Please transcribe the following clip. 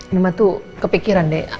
nama tuh kepikiran deh